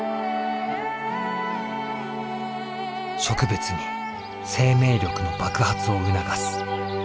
植物に生命力の爆発を促す。